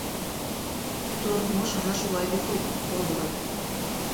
Тормош ана шулай бит ул, балалар.